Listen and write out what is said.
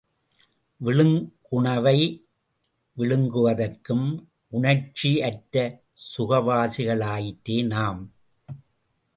விழுங்குணவை விழுங்குவதற்கும் உணர்ச்சியற்ற சுகவாசிகளாயிற்றே நாம்.